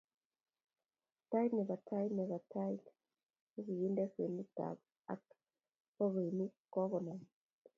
Tait nebo tait nebo tait nebo tait, nikikinde kwenut ab bakoinik, kokanam.